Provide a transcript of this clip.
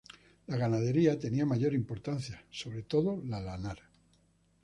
La ganadería tenía mayor importancia sobre todo la lanar.